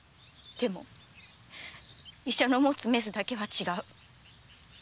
でも医者の持つメスだけは違う。